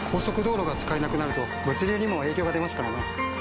速道路が使えなくなると物流にも影響が出ますからね。